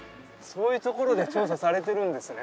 そういうところで調査されてるんですね